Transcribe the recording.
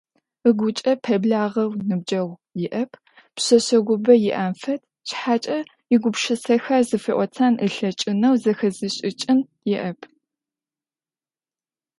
Ыгукӏэ пэблагъэу ныбджэгъу иӏэп, пшъэшъэгъубэ иӏэм фэд, шъхьакӏэ игупшысэхэр зыфиӏотэн ылъэкӏынэу, зэхэзышӏыкӏын иӏэп.